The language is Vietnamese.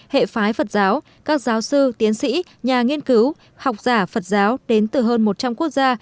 hệ phái phật giáo các giáo sư tiến sĩ nhà nghiên cứu học giả phật giáo đến từ hơn một trăm linh quốc gia